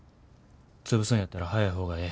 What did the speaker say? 潰すんやったら早い方がええ。